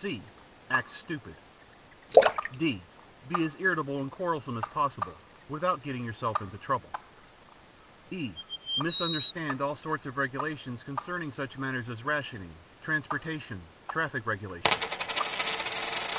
(c) Act stupid. (d) Be as irritable and quarrelsome as possible without getting yourself into trouble. (e) Misunderstand all sorts of regulations concerning such matters as rationing, transportation, traffic regulations.